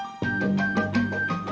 harus dibawa ke adunan